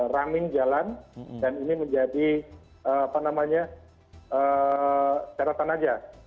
rangin jalan dan ini menjadi caratan saja